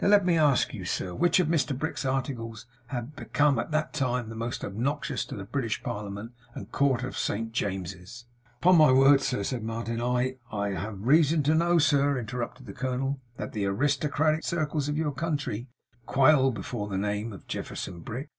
'Now let me ask you, sir which of Mr Brick's articles had become at that time the most obnoxious to the British Parliament and the Court of Saint James's?' 'Upon my word,' said Martin, 'I ' 'I have reason to know, sir,' interrupted the colonel, 'that the aristocratic circles of your country quail before the name of Jefferson Brick.